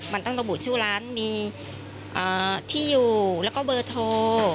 มันต้องระบุชื่อร้านมีที่อยู่แล้วก็เบอร์โทร